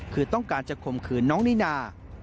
คือต้องการจะข่มขืนน้องนิน่า